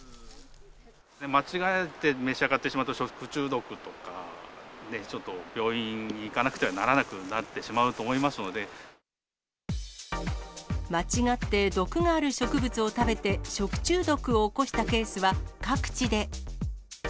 間違えて召し上がってしまうと、食中毒とか、ちょっと病院に行かなくてはならなくなってしま間違って毒がある植物を食べて、食中毒を起こしたケースは各地で。